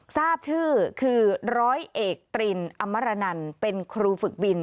ทราบชื่อคือร้อยเอกตรินอมรนันเป็นครูฝึกบิน